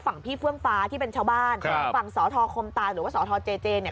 ฝั่งพี่เฟื่องฟ้าที่เป็นชาวบ้านฝั่งสทคมตาหรือว่าสทเจเจเนี่ย